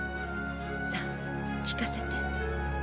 さあ聴かせて。